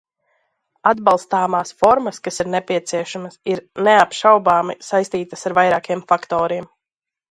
Atbalstāmās formas, kas ir nepieciešamas, ir, neapšaubāmi, saistītas ar vairākiem faktoriem.